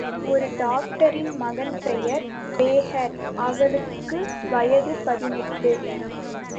ஒரு டாக்டரின் மகள் பெயர் பேஹர் அவளுக்கு வயது பதினெட்டு!